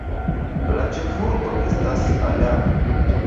La ĉefurbo estas Adamo.